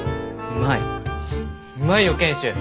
うまいよ賢秀。